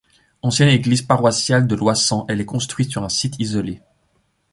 Ancienne église paroissiale de Loissan elle est construite sur un site isolé.